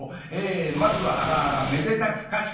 まずはあらあらめでたくかしこ』。